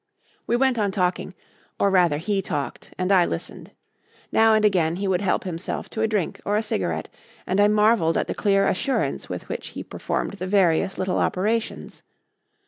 We went on talking or rather he talked and I listened. Now and again he would help himself to a drink or a cigarette, and I marvelled at the clear assurance with which he performed the various little operations.